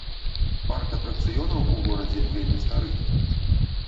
Парк атракцыёнаў у горадзе вельмі стары.